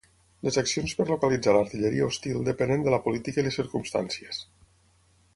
Les accions per localitzar l'artilleria hostil depenen de la política i les circumstàncies.